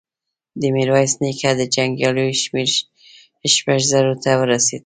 د ميرويس نيکه د جنګياليو شمېر شپږو زرو ته ورسېد.